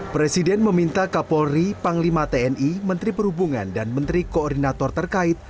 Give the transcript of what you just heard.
presiden meminta kapolri panglima tni menteri perhubungan dan menteri koordinator terkait